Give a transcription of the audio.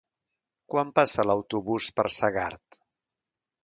Quan passa l'autobús per Segart?